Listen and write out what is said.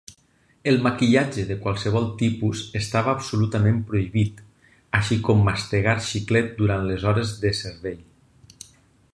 El maquillatge de qualsevol tipus estava absolutament prohibit, així com mastegar xiclet durant les hores de servei.